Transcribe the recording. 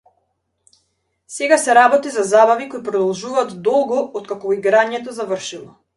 Сега се работи за забави кои продолжуваат долго откако играњето завршило.